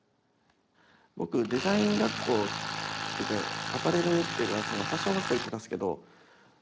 僕デザイン学校っていうかアパレルっていうかファッション学校へ行ってたんですけどそこから一つずつ覚えて。